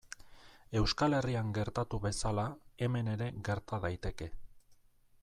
Euskal Herrian gertatu bezala, hemen ere gerta daiteke.